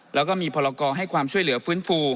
แล้วก็มีพรกรให้ความช่วยเหลือฟื้นฟู